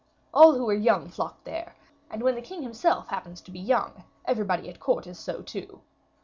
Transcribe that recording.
All who were young flocked there, and when the king himself happens to be young, everybody at court is so too.